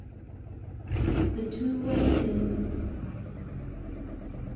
THE TWO WAITINGS.